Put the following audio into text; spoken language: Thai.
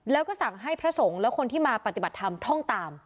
แล้วก็สั่งให้พระสงฆ์และคนที่มาปฏิบัติธรรมท่องตาม